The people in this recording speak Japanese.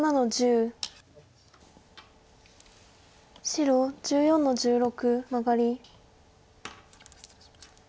白１４の十六マガリ。